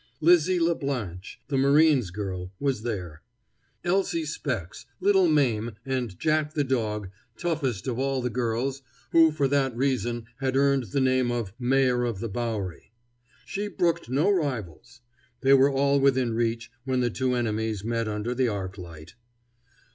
Lizzie La Blanche, the Marine's girl, was there; Elsie Specs, Little Mame, and Jack the Dog, toughest of all the girls, who for that reason had earned the name of "Mayor of the Bowery." She brooked no rivals. They were all within reach when the two enemies met under the arc light.